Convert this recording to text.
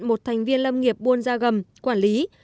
một thành viên lâm nghiệp buôn ra gầm quản lý